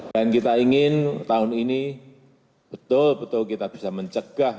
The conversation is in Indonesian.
dan kita ingin tahun ini betul betul kita bisa mencegah